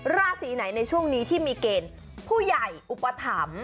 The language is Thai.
ราศีไหนในช่วงนี้ที่มีเกณฑ์ผู้ใหญ่อุปถัมภ์